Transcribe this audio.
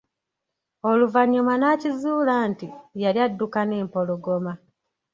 Oluvanyuma n'akizuula nti, yali adduka n'empologoma.